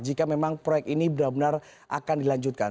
jika memang proyek ini benar benar akan dilanjutkan